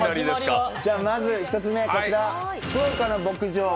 まず１つ目、こちら、福岡の牧場